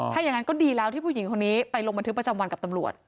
ถ้าอย่างนั้นก็ดีแล้วที่ผู้หญิงคนนี้ไปลงบันทึกประจำวันกับตำรวจ